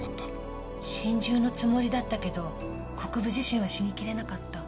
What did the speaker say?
心中のつもりだったけど国府自身は死にきれなかった。